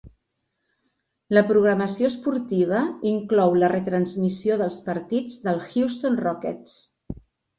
La programació esportiva inclou la retransmissió dels partits dels Houston Rockets.